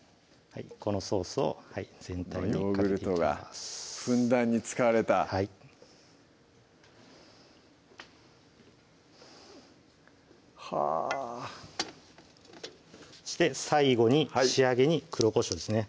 このソースを全体にヨーグルトがふんだんに使われたはいはぁ最後に仕上げに黒こしょうですね